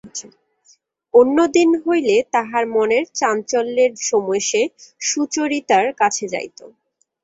অন্যদিন হইলে তাহার মনের চাঞ্চল্যের সময় সে সুচরিতার কাছে যাইত।